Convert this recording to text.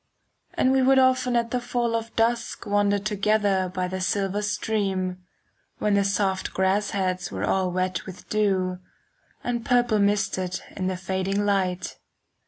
And we would often at the fall of dusk Wander together by the silver stream, 5 When the soft grass heads were all wet with dew, And purple misted in the fading light.